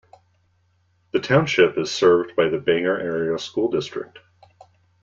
The township is served by the Bangor Area School District.